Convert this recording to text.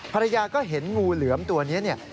ภรรยาก็เห็นงูเหลือมตัวนี้เนี่ย